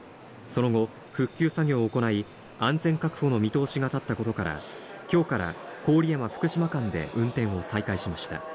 その後、復旧作業を行い、安全確保の見通しが立ったことから、きょうから郡山・福島間で運転を再開しました。